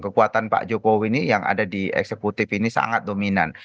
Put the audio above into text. kekuatan pak jokowi ini yang ada di eksekutif ini sangat dominan